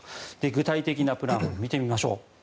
具体的なプランを見てみましょう。